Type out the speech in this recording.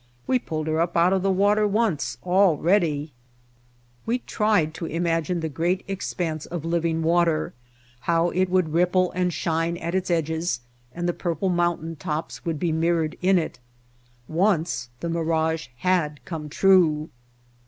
We pulled her up out of the water once already." The White Heart We tried to imagine the great expanse of liv ing water, how it would ripple and shine at its edges, and the purple mountain tops would be mirrored in it. Once the mirage had come true.